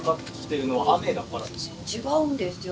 違うんですよ。